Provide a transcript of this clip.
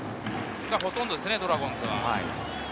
それがほとんどですね、ドラゴンズは。